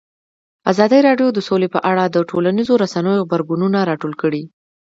ازادي راډیو د سوله په اړه د ټولنیزو رسنیو غبرګونونه راټول کړي.